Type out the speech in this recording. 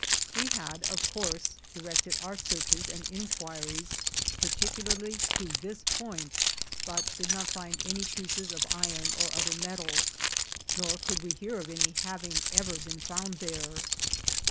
We had, of course, directed our searches and inquiries particularly to this point, but did not find any pieces of iron or other metal, nor could we hear of any haying ever been found there.